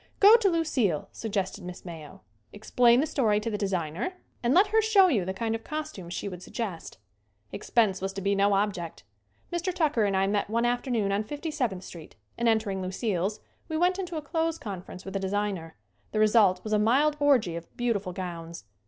"Go to Lucille," suggested Miss Mayo, "ex plain the story to the designer and let her show you the kind of costumes she would suggest." SCREEN ACTING 71 Expense was to be no object. Mr. Tucker and I met one afternoon on Fifty seventh street and, entering Lucille's, we went into a clothes conference with a designer. The result was a mild orgy of beautiful gowns.